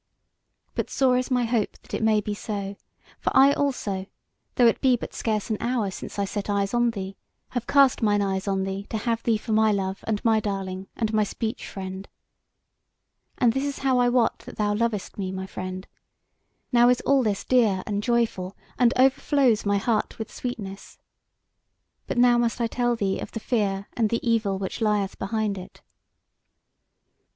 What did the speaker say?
But sore is my hope that it may be so; for I also, though it be but scarce an hour since I set eyes on thee, have cast mine eyes on thee to have thee for my love and my darling, and my speech friend. And this is how I wot that thou lovest me, my friend. Now is all this dear and joyful, and overflows my heart with sweetness. But now must I tell thee of the fear and the evil which lieth behind it."